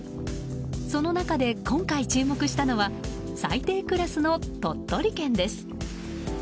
その中で今回注目したのは最低クラスの鳥取県です。